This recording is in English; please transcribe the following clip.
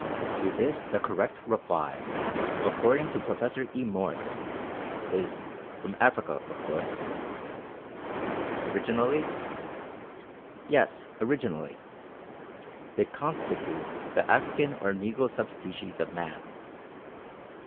To this the correct reply, according to Professor E. Morse, is "From Africa, of course." "Originally?" "Yes, originally: they constitute the African or Negro sub species of Man."